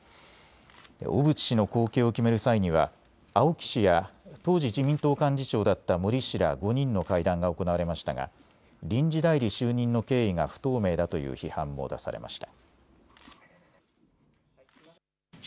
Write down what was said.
小渕氏の後継を決める際には青木氏や当時、自民党幹事長だった森氏ら５人の会談が行われましたが臨時代理就任の経緯が不透明だという批判も出されました。